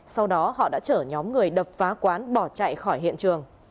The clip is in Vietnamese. sau đó họ đã chở nhóm người đập phá quán bỏ chạy khỏi hiện trường